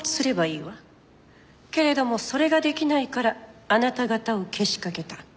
けれどもそれが出来ないからあなた方をけしかけた。